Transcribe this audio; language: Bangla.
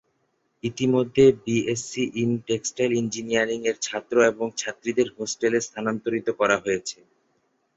ইতিমধ্যে B S C in textile engineering এর ছাত্র এবং ছাত্রীদের হোস্টেলে স্থানান্তরিত করা হয়েছে।